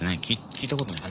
聞いたことない。